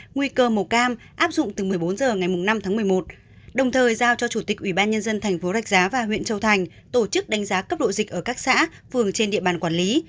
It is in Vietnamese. nguy cơ màu cam áp dụng từ một mươi bốn h ngày năm tháng một mươi một đồng thời giao cho chủ tịch ubnd tp rạch giá và huyện châu thành tổ chức đánh giá cấp độ dịch ở các xã vườn trên địa bàn quản lý